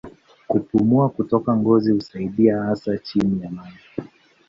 Kupumua kupitia ngozi husaidia hasa chini ya maji.